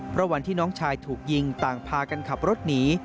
เพราะวันที่น้องชายถูกยิงต่างพากันขับรถหนี